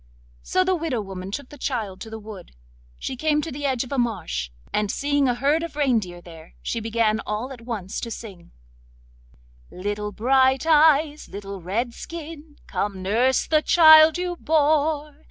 So the widow woman took the child to the wood. She came to the edge of a marsh, and seeing a herd of reindeer there, she began all at once to sing— 'Little Bright eyes, little Redskin, Come nurse the child you bore!